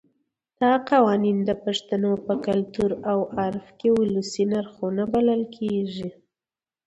دا قوانین د پښتنو په کلتور او عرف کې ولسي نرخونه بلل کېږي.